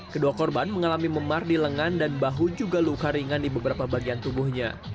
kedua korban mengalami memar di lengan dan bahu juga luka ringan di beberapa bagian tubuhnya